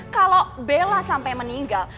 kalau bella sampai meninggal